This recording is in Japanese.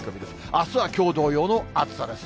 あすはきょう同様の暑さです。